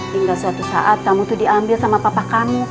hingga suatu saat tamu itu diambil sama papa kamu